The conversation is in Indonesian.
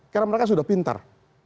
karena mereka sudah pintar